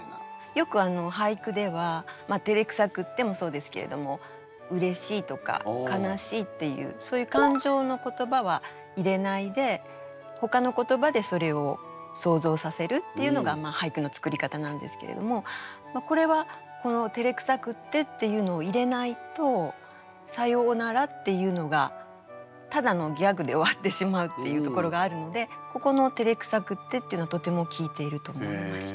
よく俳句では「照れくさくって」もそうですけれどもうれしいとか悲しいっていうそういう感情の言葉は入れないでほかの言葉でそれを想像させるっていうのが俳句の作り方なんですけれどもこれはこの「照れくさくって」っていうのを入れないと「さよおなら」っていうのがただのギャグで終わってしまうっていうところがあるのでここの「照れくさくって」っていうのはとても効いていると思いました。